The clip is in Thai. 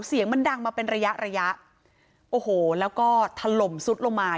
เสียงมันดังมาเป็นระยะระยะโอ้โหแล้วก็ถล่มซุดลงมา